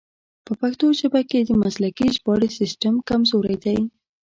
په پښتو ژبه کې د مسلکي ژباړې سیستم کمزوری دی.